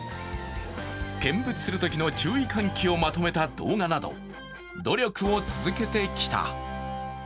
見物するときの注意喚起をまとめた動画など努力を続けてきた。